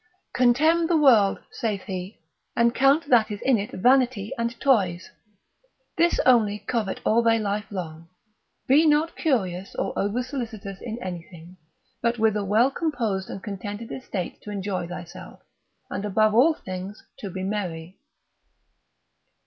Contemn the world (saith he) and count that is in it vanity and toys; this only covet all thy life long; be not curious, or over solicitous in anything, but with a well composed and contented estate to enjoy thyself, and above all things to be merry.